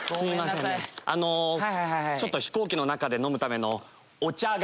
あの飛行機の中で飲むためのお茶が。